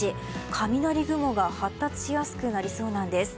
雷雲が発達しやすくなりそうなんです。